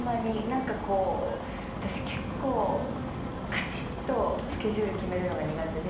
なんかこう私結構カチッとスケジュール決めるのが苦手で。